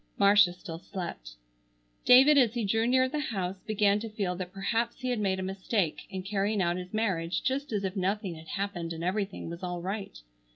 Marcia still slept. David as he drew near the house began to feel that perhaps he had made a mistake in carrying out his marriage just as if nothing had happened and everything was all right.